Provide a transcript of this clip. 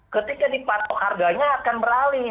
ketika dipatok harganya akan beralih